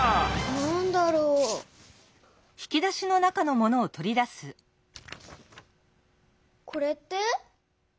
なんだろう？これって？